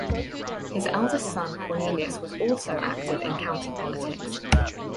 His eldest son Cornelius was also active in county politics.